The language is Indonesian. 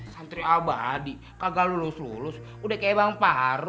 santri abadi kagak lulus lulus udah kayak bang farouk